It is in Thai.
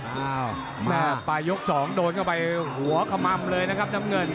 อ้าวแม่ปลายยก๒โดนเข้าไปหัวขม่ำเลยนะครับน้ำเงิน